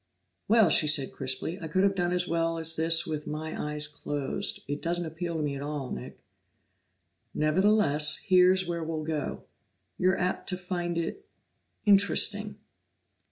"Well," she said crisply, "I could have done as well as this with my eyes closed. It doesn't appeal to me at all, Nick." "Nevertheless, here's where we'll go. You're apt to find it interesting."